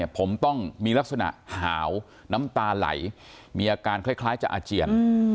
ผมต้องมีลักษณะหาวน้ำตาไหลมีอาการคล้ายจะอาเจียน